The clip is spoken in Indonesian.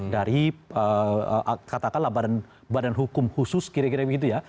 dari katakanlah badan hukum khusus kira kira begitu ya